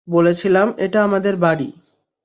বলেছিলাম, এটা আমাদের বাড়ি।